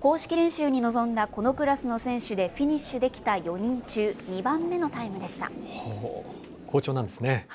公式練習に臨んだこのクラスの選手でフィニッシュできた４人中、好調なんですね。